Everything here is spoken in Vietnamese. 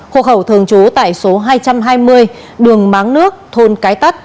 hộ khẩu thường trú tại số hai trăm hai mươi đường máng nước thôn cái tắt